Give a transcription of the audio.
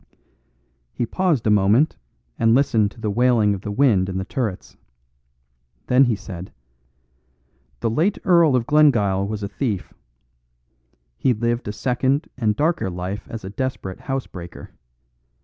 He paused a moment and listened to the wailing of the wind in the turrets. Then he said, "The late Earl of Glengyle was a thief. He lived a second and darker life as a desperate housebreaker.